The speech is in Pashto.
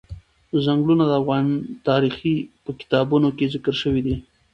ځنګلونه د افغان تاریخ په کتابونو کې ذکر شوی دي.